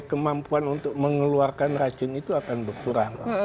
kemampuan untuk mengeluarkan racun itu akan berkurang